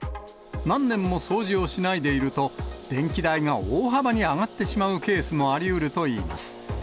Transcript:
何年も掃除をしないでいると、電気代が大幅に上がってしまうケースもありうるといいます。